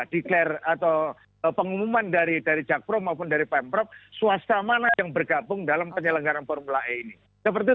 declare atau pengumuman dari jakpro maupun dari pemprov swasta mana yang bergabung dalam penyelenggaran formula e ini